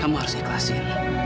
kamu harus ikhlasin